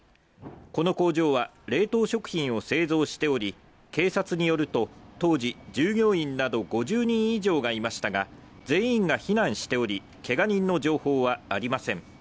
この工場は冷凍食品を製造しており、警察によると、当時、従業員など５０人以上がいましたが、全員が避難しており、けが人の情報はありません。